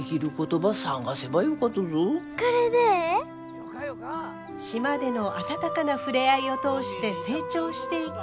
島での温かな触れ合いを通して成長していく舞。